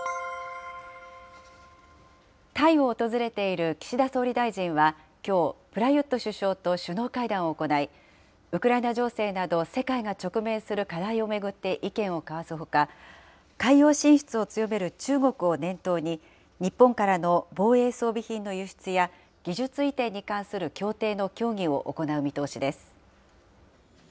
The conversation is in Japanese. タイを訪れている岸田総理大臣は、きょう、プラユット首相と首脳会談を行い、ウクライナ情勢など世界が直面する課題を巡って意見を交わすほか、海洋進出を強める中国を念頭に、日本からの防衛装備品の輸出や、技術移転に関する協定の協議を行う見通しです。